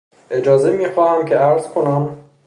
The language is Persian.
اجازه میخواهم که عرض کنم...